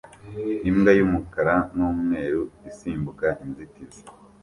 Imbwa y'umukara n'umweru isimbuka inzitizi